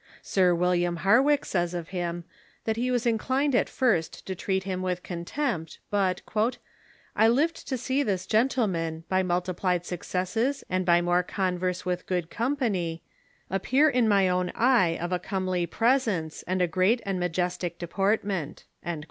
Sir Philip Harwick says of him, that be was inclined at first to treat him with contempt, but "I lived to see this gentleman, by multiplied successes and by more converse with good company, appear in my own eye of a comely presence, and a great and majestic deportment.''